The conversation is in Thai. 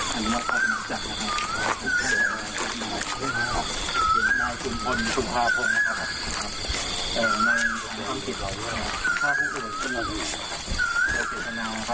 หรือร่ำทางส่วนของศพเพื่อปิดบังกับเกิดการตาย